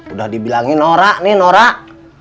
udah dibilangin norak nih norak